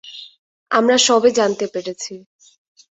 আমরা সবে জানতে পেরেছি।